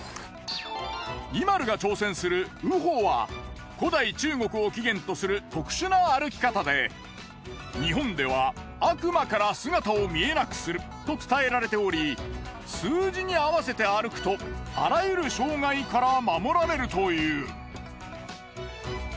ＩＭＡＬＵが挑戦する兎歩は古代中国を起源とする特殊な歩き方で日本では悪魔から姿を見えなくすると伝えられており数字に合わせて歩くとあらゆる障害から守られるという。